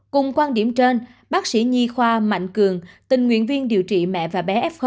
cùng quan điểm trên bác sĩ nhi khoa mạnh cường tình nguyện viên điều trị mẹ và bé f một